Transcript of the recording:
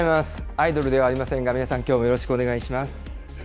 アイドルではありませんが、皆さん、きょうもよろしくお願いします。